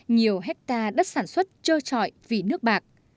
nhiều hectare đất sản xuất trơ trọi vì nước bạc